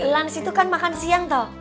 lunch itu kan makan siang toh